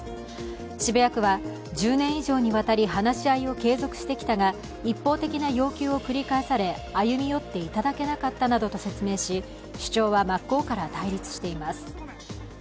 渋谷区は１０年以上にわたり話し合いを継続してきたが、一方的な要求を繰り返され歩み寄っていただけなかったなどと説明し、主張は真っ向から対立しています。